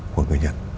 của người nhật